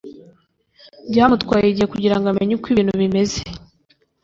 Byamutwaye igihe kugirango amenye uko ibintu bimeze.